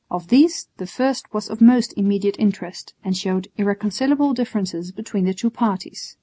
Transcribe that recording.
Of these the first was of most immediate interest, and showed irreconcilable differences between the two parties.